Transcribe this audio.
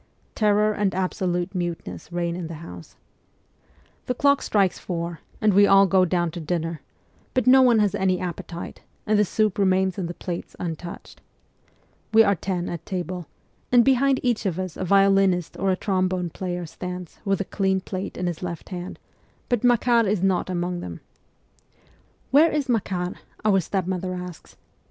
Terror and absolute muteness reign in the house. CHILDHOOD 69 The clock strikes four, and we all go down to dinner; but no one has any appetite, and the soup remains in the plates untouched. We are ten at table, and behind each of us a violinist or a trombone player stands, with a clean plate in his left hand ; but Makar is not among them. ' Where is Makar ?' our stepmother asks.